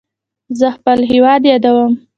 زه خپل هیواد یادوم.